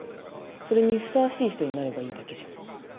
それにふさわしい人になればいいだけじゃん。